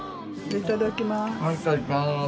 いただきます。